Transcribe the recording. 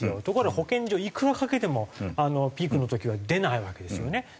ところが保健所いくらかけてもピークの時は出ないわけですよね。